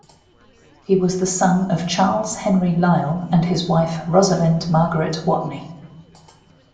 He was the son of Charles Henry Lyell and his wife Rosalind Margaret Watney.